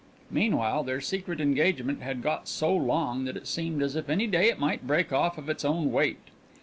Meanwhile, their secret engagement had got so long that it seemed as if any day it might break off of its own weight.